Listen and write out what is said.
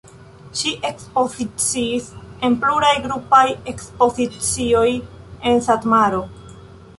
Ŝi ekspoziciis en pluraj grupaj ekspozicioj en Satmaro.